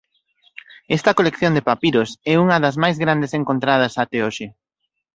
Esta colección de papiros é unha das máis grandes encontradas até hoxe.